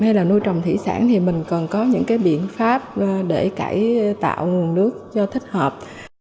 hay là nuôi trồng thủy sản thì mình cần có những cái biện pháp để cải tạo nguồn nước cho thích hợp